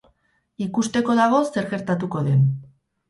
Ikusteko dago zer gertatuko den.